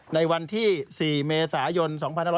ในวันที่๔เมษายน๒๕๖๐